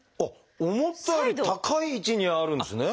思ったより高い位置にあるんですね。